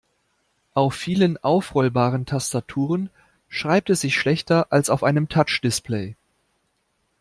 Auf vielen aufrollbaren Tastaturen schreibt es sich schlechter als auf einem Touchdisplay.